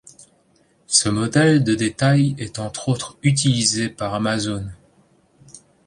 Ce modèle de détail est entre autres utilisé par Amazon.